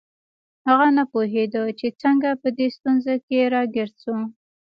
هغه نه پوهیده چې څنګه په دې ستونزه کې راګیر شو